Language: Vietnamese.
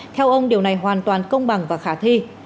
theo ông điều này hoàn toàn công bằng và khả thi